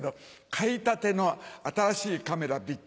買いたての新しいカメラびっ